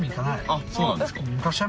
あっそうなんですか？